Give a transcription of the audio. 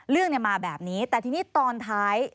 เรื่องมาแบบนี้แต่ทีนี้ตอนท้าย